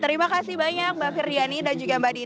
terima kasih banyak mbak firdiani dan juga mbak dini